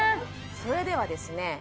それではですね